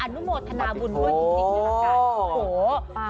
อนุโมธนาบุญด้วยจริงนี่แหละครับ